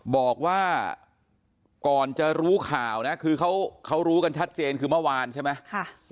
บอกว่าก่อนจะรู้ข่าวนะคือเขารู้กันชัดเจนคือเมื่อวานใช่ไหม